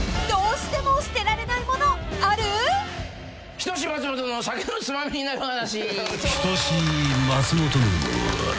『人志松本の酒のツマミになる話』